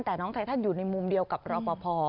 แต่น้องไททันอยู่ในมุมเดียวกับรอปภ